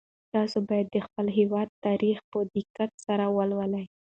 تاسو باید د خپل هېواد تاریخ په دقت سره ولولئ.